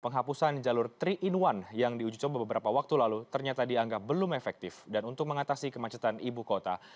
penghapusan jalur tiga in satu yang diuji coba beberapa waktu lalu ternyata dianggap belum efektif dan untuk mengatasi kemacetan ibu kota